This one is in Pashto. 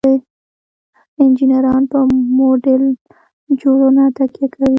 انجینران په موډل جوړونه تکیه کوي.